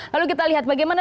lalu kita lihat bagaimana